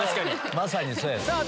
まさにそうやで。